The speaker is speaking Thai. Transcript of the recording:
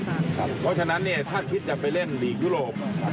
เพราะฉะนั้นถ้าคิดจะไปเล่นลีกยุโรป